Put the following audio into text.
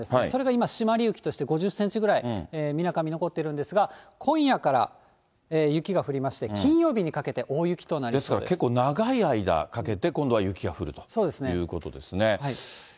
それが今、しまり雪として５０センチぐらい、みなかみ、残ってるんですが、今夜から雪が降りまして、金曜日にかけて大雪となりそうでですから、結構長い間かけて、そうですね。